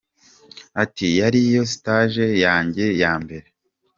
Ati “ Yari yo stage yanjye ya mbere.